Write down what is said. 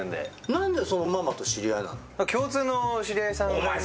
何でそのママと知り合いなの？